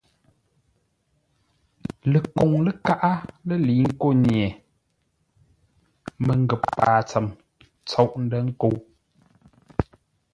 Lekoŋ ləkaʼá lə́ lə̌i ńkó nye məngə̂p paa tsəm tsôʼ ndə̂ nkə́u.